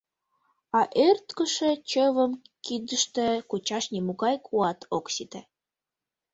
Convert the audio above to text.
А ӧрткышӧ чывым кидыште кучаш нимогай куат ок сите.